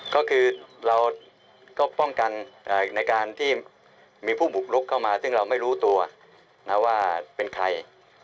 ก็คือเราก็ป้องกันในการที่มีผู้บุกลุกเข้ามาซึ่งเราไม่รู้ตัวนะว่าเป็นใคร